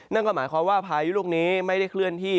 นั่นก็หมายความว่าพายุลูกนี้ไม่ได้เคลื่อนที่